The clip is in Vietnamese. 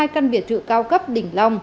hai căn biệt thự cao cấp đỉnh long